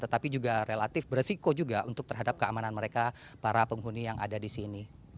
tetapi juga relatif beresiko juga untuk terhadap keamanan mereka para penghuni yang ada di sini